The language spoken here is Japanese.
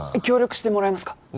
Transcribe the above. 協力してもらえますか？